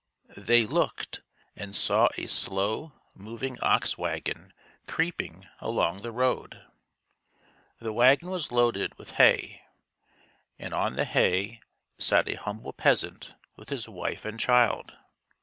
They looked and saw a slow moving ox wagon creeping along the road. The wagon was loaded with hay, and on the hay sat a humble peasant with his wife and child.